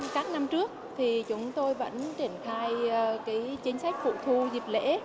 các năm trước thì chúng tôi vẫn triển khai chính sách phụ thu dịp lễ